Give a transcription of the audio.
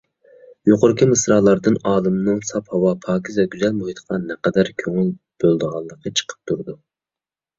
يۇقىرىقى مىسرالاردىن ئالىمنىڭ ساپ ھاۋا، پاكىز ۋە گۈزەل مۇھىتقا نەقەدەر كۆڭۈل بۆلىدىغانلىقى چىقىپ تۇرىدۇ.